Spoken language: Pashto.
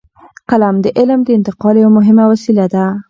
قلم د علم د انتقال یوه مهمه وسیله ده.